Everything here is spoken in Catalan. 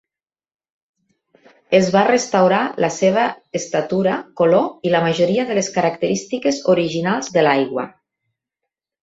Es va restaurar la seva estatura, color i la majoria de les característiques originals de l'aigua.